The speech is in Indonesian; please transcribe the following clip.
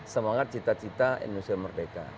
semangat cita cita indonesia merdeka